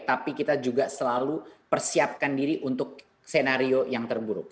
tapi kita juga selalu persiapkan diri untuk senario yang terburuk